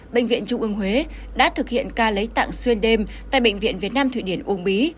bệnh viện trung ương huế đã thực hiện ca lấy tạng xuyên đêm tại bệnh viện việt nam thụy điển uông bí